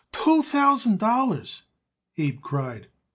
"Two thousand dollars!" Abe cried.